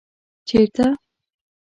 ـ چېرته ؟